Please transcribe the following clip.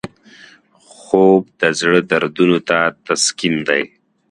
خوب د زړه دردونو ته تسکین دی